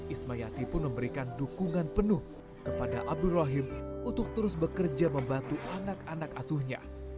ismayati pun memberikan dukungan penuh kepada abdul rohim untuk terus bekerja membantu anak anak asuhnya